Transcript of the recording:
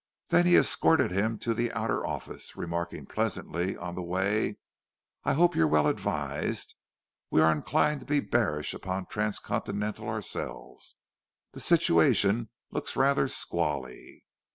Then he escorted him to the outer office, remarking pleasantly on the way, "I hope you're well advised. We're inclined to be bearish upon Transcontinental ourselves—the situation looks rather squally."